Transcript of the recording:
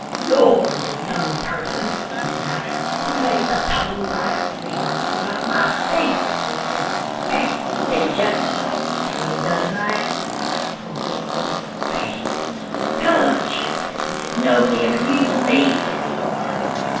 "You're the young person," he snapped, "who made the polite remarks about my figure this evening? Eh, didn't you? Can you deny it? Called me old fashioned and 'country' said nobody ever used me any more!